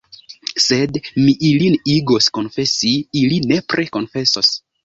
Sed mi ilin igos konfesi, ili nepre konfesos.